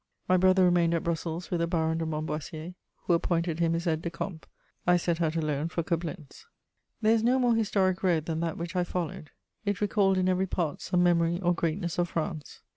My brother remained at Brussels with the Baron de Montboissier, who appointed him his aide de camp; I set out alone for Coblentz. There is no more historic road than that which I followed; it recalled in every part some memory or greatness of France.